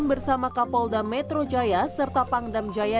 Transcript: bersama kapolda metro jaya serta pangdam jaya